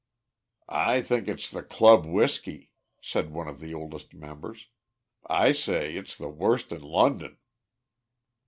"I think it's the Club whiskey," said one of the oldest members. "I say, it's the worst in London."